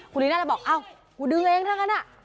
คุณลิน่าเลยบอกอ้าวคุณดึงเองทั้งนั้นน่ะ